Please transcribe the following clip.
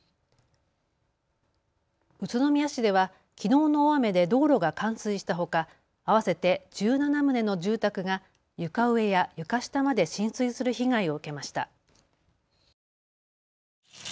宇都宮市ではきのうの大雨で道路が冠水したほか、合わせて１７棟の住宅が床上や床下まで浸水する被害を受けました。